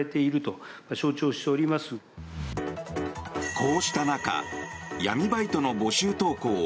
こうした中闇バイトの募集投稿を